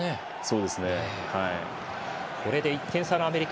これで１点差のアメリカ。